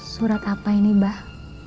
surat apa ini bah